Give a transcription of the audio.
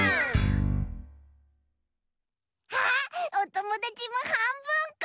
あっおともだちもはんぶんこ！